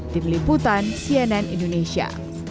tim liputan cnn indonesia